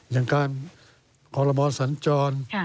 อย่างการคอรมอสัญจร